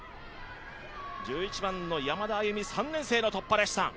１１番の山田歩美、３年生の突破でした。